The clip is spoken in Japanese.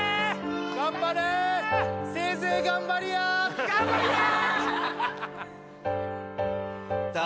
頑張れーせいぜい頑張りやー頑張りやー！